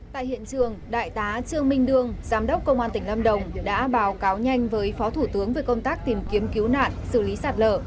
tại hiện trường đại tá trương minh đương giám đốc công an tỉnh lâm đồng đã báo cáo nhanh với phó thủ tướng về công tác tìm kiếm cứu nạn xử lý sạt lở